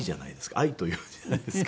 「愛」という字じゃないですか。